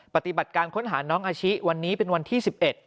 ปฏิบัติการค้นหาน้องอาชิวันนี้เป็นวันที่๑๑